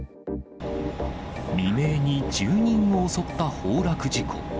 未明に住人を襲った崩落事故。